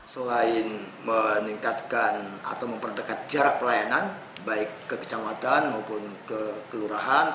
selain meningkatkan atau memperdekat jarak pelayanan baik ke kecamatan maupun ke kelurahan